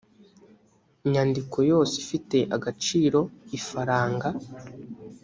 nyandiko yose ifite agaciro ifaranga